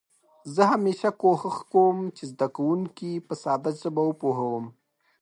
زه همېشه کوښښ کوم چې زده کونکي په ساده ژبه وپوهوم.